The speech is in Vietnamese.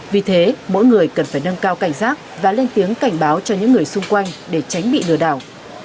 vì thế mỗi người cần phải nâng cao cảnh giác và lên tiếng cảnh báo cho những người xung quanh để tránh bị lừa đảo